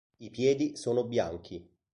I piedi sono bianchi.